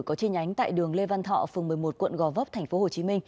có chi nhánh tại đường lê văn thọ phường một mươi một quận gò vấp tp hcm